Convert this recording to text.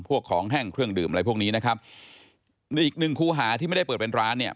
พวกของแห้งเครื่องดื่มอะไรพวกนี้นะครับมีอีกหนึ่งคู่หาที่ไม่ได้เปิดเป็นร้านเนี่ย